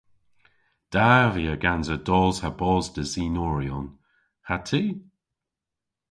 Da via gansa dos ha bos desinoryon. Ha ty?